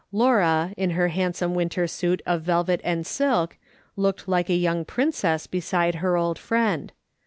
Laura, in her handsome winter suit of velvet and silk, looked like a young princess beside her old friend.